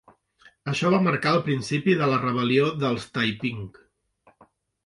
Això va marcar el principi de la Rebel·lió dels Taiping.